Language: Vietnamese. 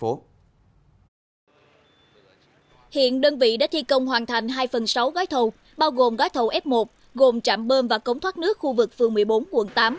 hiện đơn vị đã thi công hoàn thành hai phần sáu gói thầu bao gồm gói thầu f một gồm trạm bơm và cống thoát nước khu vực phường một mươi bốn quận tám